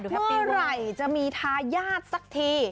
เมื่อไหร่จะมีทายาทสักที